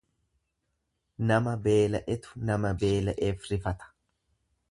Nama beela'etu nama beela'eef rifata.